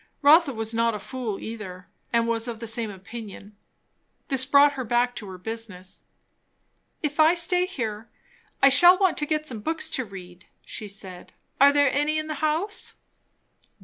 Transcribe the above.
Rotha was not a fool either, and was of the same opinion. This brought her back to her business. "If I stay a while, I shall want to get at some books to read," she said. "Are there any in the house?"